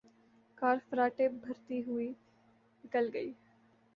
کار فراٹے بھرتی ہوئے نکل گئی